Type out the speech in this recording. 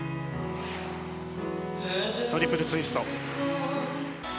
トリプルツイスト。